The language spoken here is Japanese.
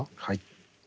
はい。